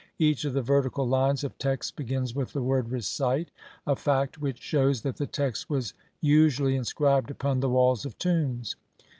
Each of the vertical lines of text begins with the word jTl "recite", a fact which shews that the text was usually inscribed upon the walls of tombs.